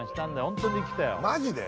ホントにきたよマジで？